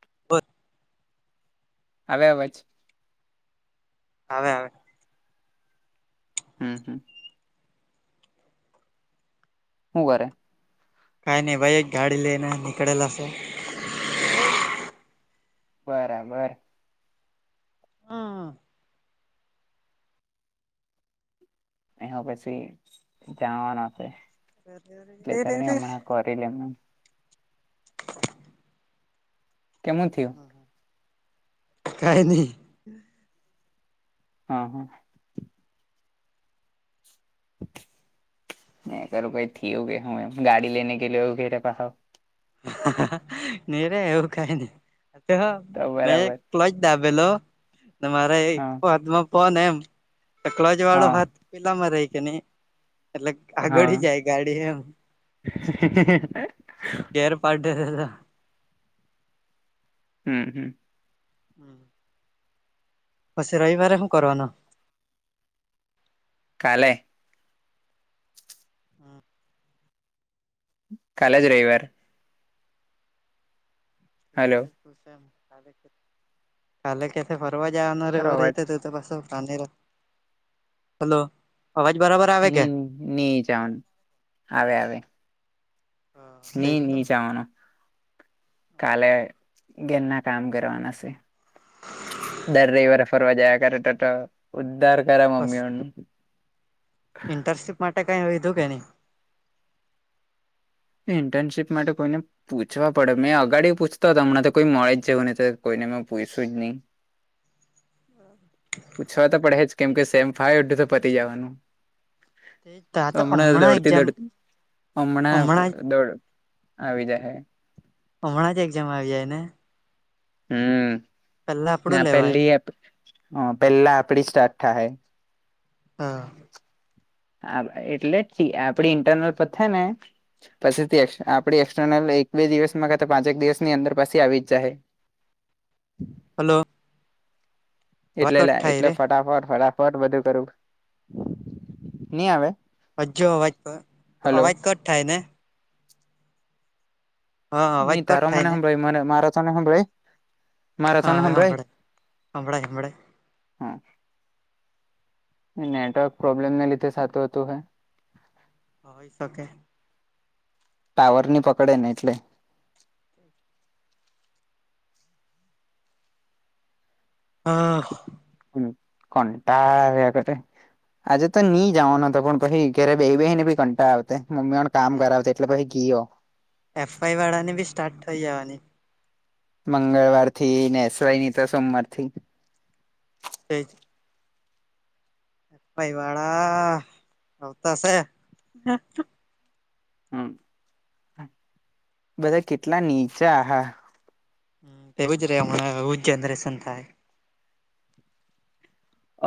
[unintelligible] આવે અવાજ? આવે આવે. હમ હમ. હું કરે? કઈ નહી ભાઈ એક ગાડી લેને નીકળેલોશે. બરાબર. હા. એ પછી જાવાના છે એટલે ચલ ને હમણાં કરી લેમ. કેમું થિયુ? કાય ની. હા હા. મેં કરું કઈ થીયોગ હું ગાડી લેને કે [unintelligible] [inaudible] નીરે એવું કઈ નહી તો મેં બરાબર કલચ દાબેલો મારે એક હા હાથમાં ફોન એમ કલચ વાળો હા હાથ પેલામાં રહી કે નહી. એટલે આગળ હા જાય ગાડી એમ. [inaudible] ગેર [unintelligible] હમ. હમ. [inaudible] પછી રવિવારે હું કરવાનો? કાલે કાલેજ રવિવાર. હલો [inaudible] કાલે કેથે ફરવા જવાનું તારો એવું અવાજ રેતે તો પાસુ પારનેરા હલો અવાજ બરાબર આવે કે? ની ની જવાનું આવે આવે હા તે ની જ ની તો જવાનું કાલે ઘેરના કામ કરવાના છે. દર રવિવાર ફરવા જયા કરે તો તો ઉદ્ધાર કરે બસ મમ્મીઓ. ઇન્ટર્નશીપ માટે કઈ વિધું કે નહીં? ઇન્ટર્નશીપ માટે કોઈને પૂછવા પડે મેં અગાડી પૂછતા હમણાં તો કોઈ મળે જવુંને તો કોઈને મેં પૂછું જ નહી. હા. [unintelligible] પૂછવા તો પડે જ કેમ કે સેમ ફાય એ તો પતી જવાનું નહી તા તો હમણાં દોડતી એક્ઝામ દડતી હમણાં દોડ આવી જ હ. હમણાં જ એક્ઝામ આવી જાય ને. હમ પેલા આપડું ના લેવાય પેલી પેહલા આપડી સ્ટાર થાય. હા. એટલે કી આપડી ઇન્ટરનલ પથ ને પછી થી આપડી એક્સર્નલ એક બે દિવસમા પાંચેક દિવસની અંદર પછી આવી જાય. હલો. અવાજ એટલે કટ થાય એટલે રે ફટાફટ ફટાફટ બધું કરું નઈ આવે. હજુ અવાજ [unintelligible] હલો અવાજ કટ થાય ને. હા અવાજ નહી કટ તારો થાય મને ને હભરાય તારો મને મારા તને સંભળાય મારો હા તને હવે સંભળાય સંભળાય સંભળાય હા નેટવર્ક પ્રોબ્લેમ ના લીધે સાતું હતું. હોય શકે. ટાવર ની પકડે ને એટલે. હા. કટા રહેયા કરતે. આજે તો નિઈ જાઉ ન તો પણ કહી ઘરે બે બ બે હને બ કન્ટટાતે. કામ કરાવશે એટલે પછી ગીયો. એફઆઈ વાળા ની બી સ્ટાર્ટ થઈ જવાની. મંગળવારથી ને એસ વાઈ ની તો સોમવારથી. [unintelligible] પાઈ વાળ આવતા હશે. હમ બધા કેટલા નીચા હા. હમ તેવું જ રહ્ હમણાં હુંજ જનરેસન થાય.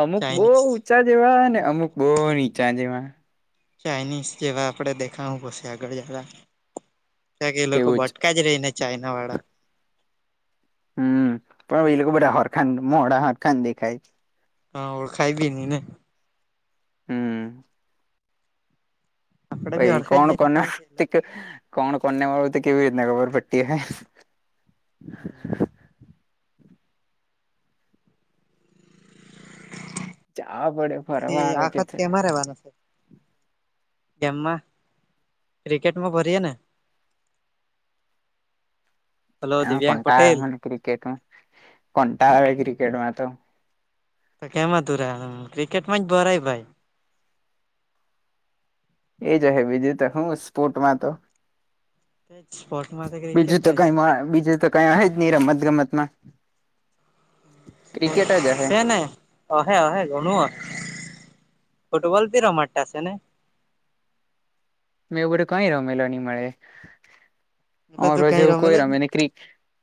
અમુક બહુ ચાઇનીઝ ઊંચા જેવા ને અમુક બહુ નીચા જેવા. ચાઇનીઝ જેવા આપડે દેખા પછ આગળ જતા ત્યા કે એ લોકો બટકાઈ. જ રહીને ચાઇના વાળા. હમ પણ એ લોકો બ હરખાન મોડા હરખાન દેખાય છે. હા ઓળખાઈ બી નહી ને. હમ. આપડે બી ભાઈ ઓળખાય જ કોણ કોને દેખાતા હોય કે એ લોકો. કોણ કોણ ને મળ્યું તો કેવી રીતના ખબર પટ્ટી. જવા પડે ફરવા પછી આવે કે છે. [unintelligible] ગેમમાં ક્રિકેટમાં ભરીએે ને [inaudible] હલો હ દિવ્યાંગ કોટા પટેલ મને ક્રિકેટ કોટા આવે ક્રિકેટમાં તો. તો કેમાં તુરા ક્રિકેટ માં જ ભરાય ભાઈ. એ જ હ બીજું તો હું સ્પોર્ટમાં તો. તે સ્પોર્ટમાં તો ક્રિકેટ જ‌. હા બીજે ત કઈ હ જ નનીં રમત ગમત માં. જ હે છે ને અહે અહ ઘણું ફુટબોલ ત રમાડતા છે ને. મે એવું કઈ રમેલો નહી મળે. એટલે તું કઈ અરજવું કોઈ રમેલો જ રમે ક્રી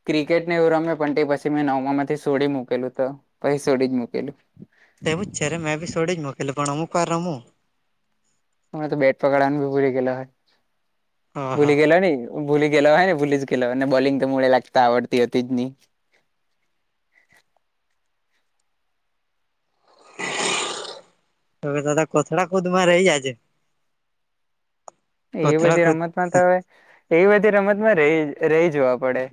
ક્રિકેટ ને એવું રમમે પણ પછી મેં નવમામાંથી છોડી મૂકેલું તો પછી છોડી જ મુૂકેલું. તે એવુજ છે રેય મેં ભી સોડી જ મૂકેલું પણ અમુક વાર રમું. હમણાં તો બેટ પકવાનું ભી ભૂલી ગેલો હોય. હા હા ભૂલી ગેલો ની ભૂલી ગેલો હે ને ભૂલી જ ગેલો અને બોલિંગ તો મોડે લાગતા લાકતા આવડતી હતી જ ની. હવે તદા પથળા ખુદવા રહી આજે. એ કોથળા બધી કુદ રમતમાં તો હવે એ બધી રમતમાં રહી રહી જવા પડે.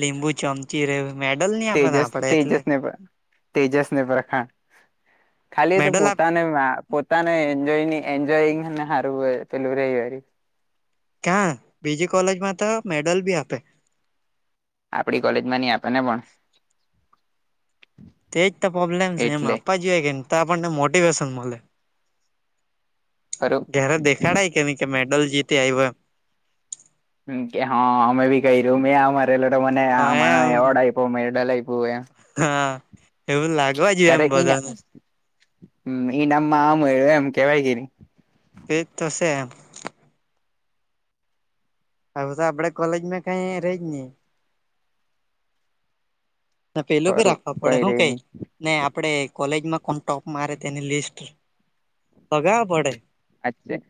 લીંબુ ચમચી રે મેડલ ને આપે તેજસ આપડે એટલે તેજસને પણ તેજસને પ્રખાણ. ખાલી એતો મેડલ આપ પોતાને વા પોતાને એજો એન્જોંગને સારું પેલું રેય. ક્યાં બીજી કોલેજ માં તો મેડલ બી આપે આપડી કોલેજ માં ની આપે ને પણ. તેજ પ્રોબ્લેમ છે, એમ એટલે આપવા જોઈએ કે, તો આપણને મોટિવેશન મલે. ખરું ઘેરે દેખાડાય કેવી કે, મેડલ જીતી આઈવો એમ. હમ્મ કે હા અમે બી કઈરુ મે આ મારેલો તો મને આ માણહ એમ હે એમ એવોર્ડ આઇપો મેડલ આઇપ હા એવું લાગવા જોઈએ એમ બધાને. હમ્મ ઈનામમાં આ મળ્યું એમ કહેવાય કે ની. તેજ તો સે એમ. હવે તો આપડે કોલેજમાં કઈ રહી જ નઈ. તો પેલું બી ખરું રાખવા પડે કઈ હું રે કેય. નહી ને આપડે કોલેજમાં પણ ટોપ મારે તેને લિસ્ટ લગાવા પડે. અચ્છા,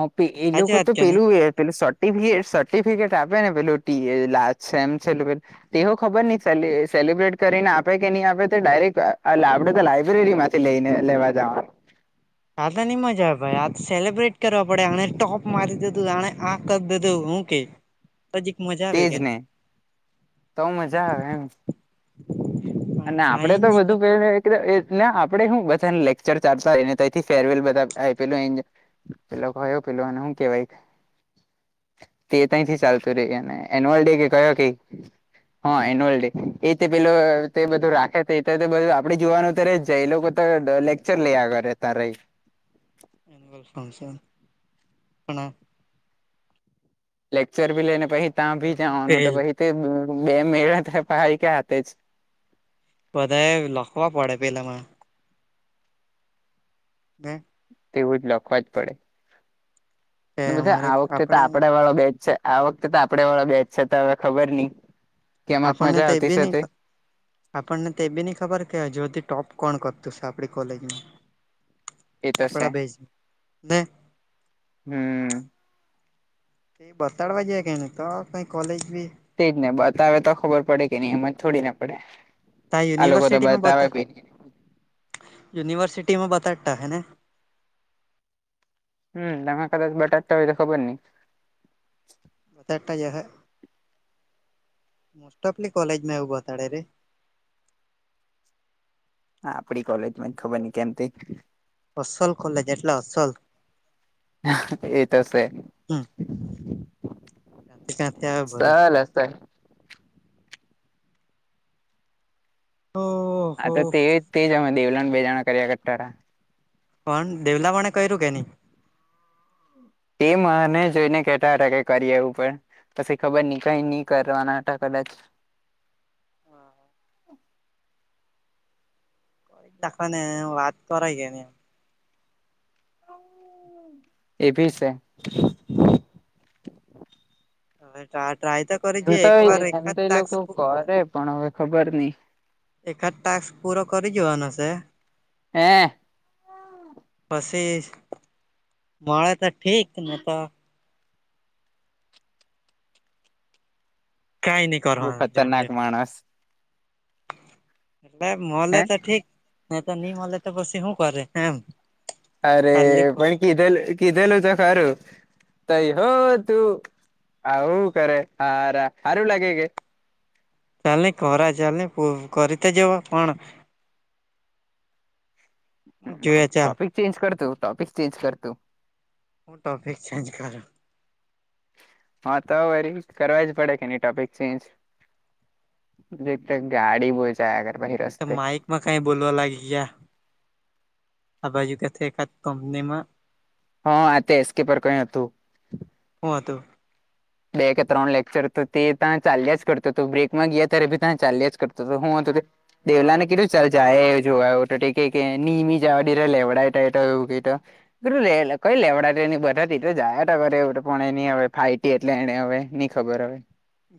હ પ એ સાચી લોકો વાત તો કે નહી પેલું પેલુ શો ટિફિએ સર્ટિફિકેટ આપે ને પેલું ટી એ લાસ્ટ છે એમ છે પેલું. તેઓ ખબર નહી સેલી સેલિબ્રેટ કરીને આપે કે નહી આપે તો ડાયરેક્ટ લા આપડે તો લાયબ્રેરીમાંથી. તે લઈને લેવા જાવાનું. આા તો નઈ મજા આવે ભાઈ આ સેલિબ્રેટ કરવા પડે આણે ટોપ મારી દીધું આણે આ કરી દીધું હું કે. હ [inaudible] તો જીક મજા આવે તેજ કે ન ને તો મજા આવે એમ. પણ અને કઈ આપડે તો નહી બધું પલે એટલે ને આપડે હુ બધાને લેક્ચર ચાલતાએ ને તઈ થી ફેરવેલ બધા આઇ પેલું અહીં જ. પેલો કયો પેલો એને હું કેવાય તે તઈ થી ચાલતું રઇ એને. એન્યુઅલ ડે કે કયો કે હ એન્યુઅલ ડે એતે પેલો તે બધું રાખે તે એત તે બધું આપડે જોવાનું ત રઇ જાય એ લોકો તો લ લેક્ચર લયા કરે તાર ઈ. એન્યુઅલ ફંકશન પણ આ લેક્ચર ભી લે ને પહી તા ભી હું જાવાનું તો કેલ પહી તે બે મેળ કા હાથે જ. બધાએ લખવા પડે પેલામાં. [inaudible] તેવું જ લખવા જ કે પડે બધા અમારે આ વખતે તો આપડે આપડા વાળો બેચ છે. આ વખતે તો આપડે વાળા બેચ છે તો હવે ખબર નઈ કેમક આપણને મજા તો એ આવતી બી છે નહી તે. આપણને તે એ બી ન ખબર કે હજુ હુંધી ટોપ કોણ કરતું છે આપણી કોલેજમાં. એ તો આપડા છે બેેજ ને. હમ્મ. એ બતાડવા જ્યાં કે નઈ તો કઈ કોલેજ બી તેજ ને બતાવે તો ખબર પડે કે નહી એમ જ થોડી ના પડે તા આ લોકો તો યુનિવર્સિટીમાં બતાવે બતા બી નઈ. યુનિવર્સિટીમાં બતાડતા હોય ને. હમ્મ તાહ કદાચ બતાવતા હોય તો ખબર ની. તારતા જ હોયહ. મોસ્ટઓફલી કોલેજમાં એવું બતાડે રે હા આપડી કોલેજ માં ખબર નહિ કેમ તે અસલ કોલેજ એટલે અસલ. એ તો સે હમ ક્યાંથી ક્યાંથી આવે બધા સલ [unintelligible] તો ઓ. આ તો તે, તે જ અહે દેવલાને બે જણા કર્યા કરતા તા. પણ દેવલા વને કયરુ કે ની? તે મને જોઈને કેતા અતા કે કરીએ એવું કે પસી ખબર ની કઈ ની કરવાના તો કદાચ. હા. એક દાખવો ને વાત કરાઈ કે ની આમ. એ ભી સે. અહે. ટા ટ્રાય તો કરી એમ જે તો એક વાર એમ એકાદ તો ઈ ટાસ્ક લોકો કરે પણ અવે ખબર ની. એખાદ ટાસ્ક પૂરો કરી જોવાનો સે. હેં પસી મળે તો ઠીક ને તો કાય ની. બો ખતરનાક માણસ. એટલે મલે હે તો ઠીક ની તો ની મલે તો પસી હું કરયે એમ. અરે ખાલી પણ કીધેલ કીધેલું તો ખરું. તઈ હો તું આવું કરે હારા, હારું લાગે કે? ચાલ ની કરા, ચાલ ની પુ કરી તો જોવા પણ હમમ હમમ. જોએ ચાલ ટોપિક ચેન્જ કર તું, ટોપિક ચેન્જ કર તું. હું ટોપિક ચેન્જ કરું. હા તો વરી કરવા જ પડે કે ની ટોપિક ચેન્જ. એ તે ગાડી બો છે જાયા કરે પછી. એક તો રસ્તે માઇક માં કાય બોલવા લાગી ગયા. આ બાજુ કથે એકાદ કપનીમાં હા આ જ તો એસ્કે પર કઈ અતું. હું અતુ? બે કે ત્રણ લેક્ચર તો તે તા ચાલ્યા જ કરતું તું બ્રેકમાં ગીયા ત્યારે ભી તા ચાલ્યા જ કરતું તું હું અતુ તે દેવલા ને કિધું ચાલ જાએ એ જોવા એવું તો તે કેય કે ની, ની જવા દીધું લેવડાયટા તો એવું કેય તો. બધું લે, કઈ લેવડાટેની બધા તે તો જાયા તો કરે એવું તો પણ એની અવે ફાઇટ ફાયટી એટલે એને અવે ની ખબર અવે.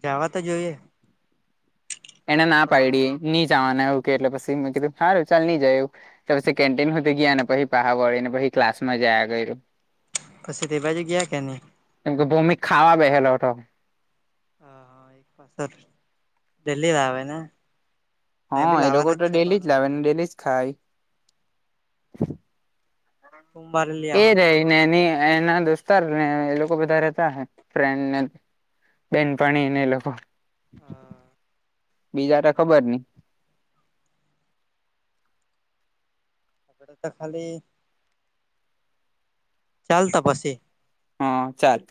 જવા તો જોઈએ. એને ના પાડી ની જવાના એવું કેય એટલે પસી મે કીધું હારું ચાલ ની જાય એવું. તો પસી કેન્ટીન હુધી ગીયા ને પહા વળી ને પછી ક્લાસ માં જાયા કયરુ. પસી તે બાજું ગીયા કે ની? એમ કે ભોમી ખાવા બેહેલો અતો. હા એક પાસતર ડેલી આવે ને? મેં હા બી એ લોકો લાવવાના તો છે ડેલી પણ જ લાવે હવે ને, ડેલી જ ખાય. રૂમ બાંધલી એ રેય ને ની એના દોસ્તાર ને એ લોકો બધા રેતા અહે ફ્રેન્ડને. બેનપણીને એ લોકો, હા બીજા તો ખબર ની. [unintelligible] તો ખાલી ચાલ તો પસી. હા ચાલ.